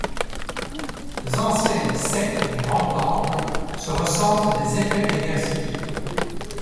Les anciennes sectes des grands temples se ressentent des effets des guerres civiles.